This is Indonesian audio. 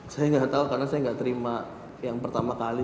saya gak tau karena saya gak terima yang pertama kali